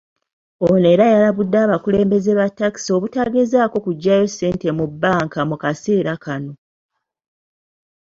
Ono era yalabudde abakulembeze ba takisi obutagezaako kuggyayo ssente mu banka mu kaseera kano.